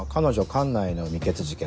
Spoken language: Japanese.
管内の未決事件